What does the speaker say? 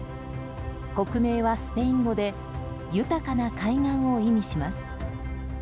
国名はスペイン語で豊かな海岸を意味します。